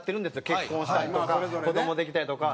結婚したりとか子どもできたりとか。